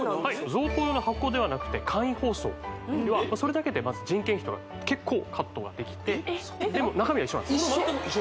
贈答用の箱ではなくて簡易包装それだけでまず人件費とか結構カットができてでも中身は一緒なんです・一緒？